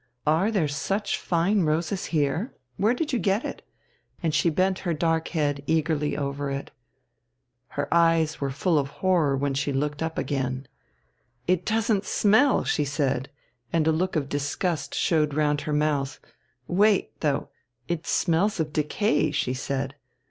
"Are there such fine roses here? Where did you get it?" And she bent her dark head eagerly over it. Her eyes were full of horror when she looked up again. "It doesn't smell!" she said, and a look of disgust showed round her mouth. "Wait, though it smells of decay!" she said.